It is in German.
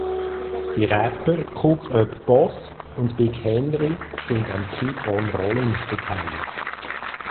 Die Rapper Cook Up Boss und Big Henri sind an "Keep on Rollin" beteiligt.